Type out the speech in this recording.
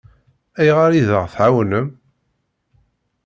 Ayɣer i d-aɣ-tɛawnem?